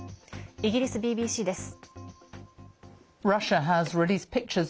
イギリスＢＢＣです。